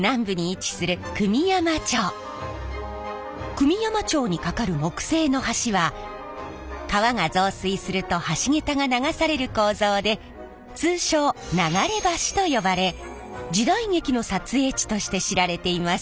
久御山町にかかる木製の橋は川が増水すると橋桁が流される構造で通称流れ橋と呼ばれ時代劇の撮影地として知られています。